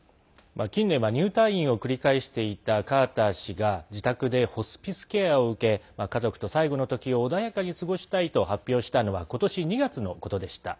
近年は入退院を繰り返していたカーター氏が自宅でホスピスケアを受け家族と最後の時を過ごしたいと発表したのは今年２月のことでした。